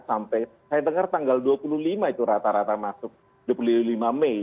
sampai saya dengar tanggal dua puluh lima itu rata rata masuk dua puluh lima mei